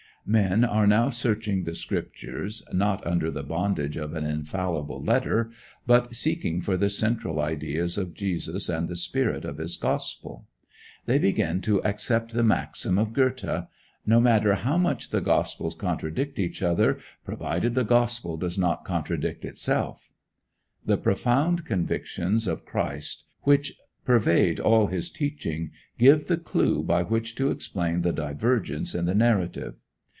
Men are now searching the Scriptures, not under the bondage of an infallible letter, but seeking for the central ideas of Jesus and the spirit of his gospel. They begin to accept the maxim of Goethe: "No matter how much the gospels contradict each other, provided the Gospel does not contradict itself." The profound convictions of Christ, which pervade all his teaching, give the clue by which to explain the divergences in the narrative.